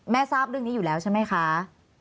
ทราบเรื่องนี้อยู่แล้วใช่ไหมคะ